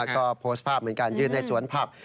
ก็โพสต์ภาพเหมือนกันยืนในสวนผัก